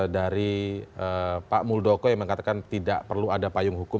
dari pak muldoko yang mengatakan tidak perlu ada payung hukum